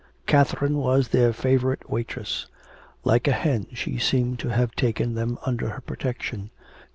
Catherine was their favourite waitress. Like a hen she seemed to have taken them under her protection.